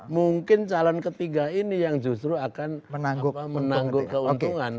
mungkin calon ketiga ini yang justru akan menanggung keuntungan